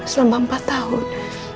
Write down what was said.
selama empat tahun